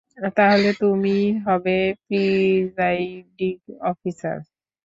তাহলে তুমিই হবে প্রিজাইডিং অফিসার।